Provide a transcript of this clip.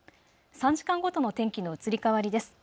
３時間ごとの天気の移り変わりです。